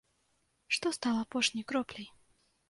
Што стала апошняй кропляй?